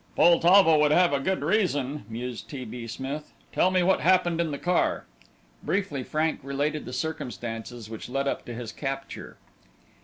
"Poltavo would have a good reason," mused T. B. Smith. "Tell me what happened in the car." Briefly Frank related the circumstances which had led up to his capture.